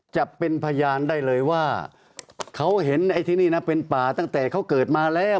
จะเป็นพยานได้เลยว่าเขาเห็นไอ้ที่นี่นะเป็นป่าตั้งแต่เขาเกิดมาแล้ว